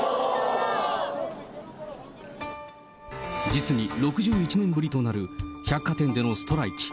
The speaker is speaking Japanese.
実に６１年ぶりとなる百貨店のストライキ。